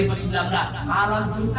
kehadiran kita semata mata